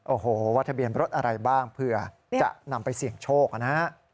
โอ้โหว่าทะเบียนรถอะไรบ้างเผื่อจะนำไปเสี่ยงโชคนะฮะ